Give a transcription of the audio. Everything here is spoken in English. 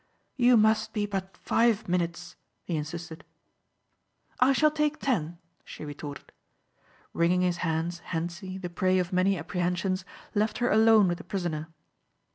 "You must be but five minutes," he insisted. "I shall take ten," she retorted. Wringing his hands Hentzi, the prey of many apprehensions, left her alone with the prisoner.